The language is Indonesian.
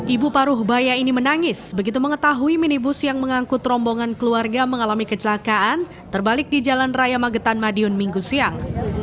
ibu paruh bayi ini menangis begitu mengetahui minibus yang mengangkut rombongan keluarga mengalami kecelakaan terbalik di jalan raya magetan madiun minggu siang